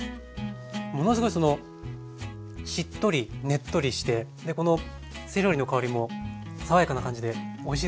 ものすごいしっとりねっとりしてでこのセロリの香りも爽やかな感じでおいしいですね。